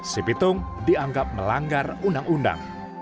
si pitung dianggap melanggar undang undang